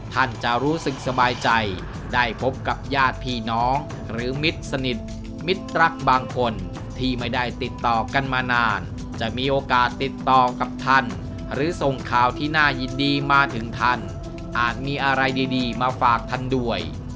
ท่านจะรู้สึกสบายใจได้พบกับญาติพี่น้องหรือมิตรสนิทมิตรรักบางคนที่ไม่ได้ติดต่อกันมานานจะมีโอกาสติดต่อกับท่านหรือส่งข่าวที่น่ายินดีมาถึงท่านอาจมีอะไรดีมาฝากท่านด้วย